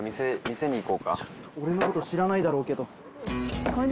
俺のこと知らないだろうけど。